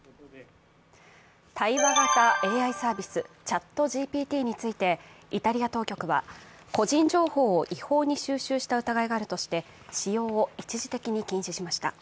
対話型ＡＩサービス、ＣｈａｔＧＰＴについてイタリア当局は、個人情報を違法に収集した疑いがあるとして使用を一時的に禁止しました。